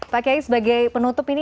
pak kiai sebagai penutup ini